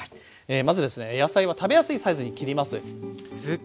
まずですね野菜は食べやすいサイズに切ります。